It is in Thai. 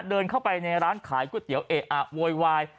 เดินเข้าไปในร้านขายก๋วยเตี๋ยวเอะอะโวยวาย